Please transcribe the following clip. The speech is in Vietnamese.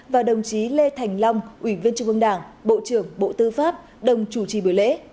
và đồng chí lê thành long ủy viên trung ương đảng bộ trưởng bộ tư pháp đồng chủ trì buổi lễ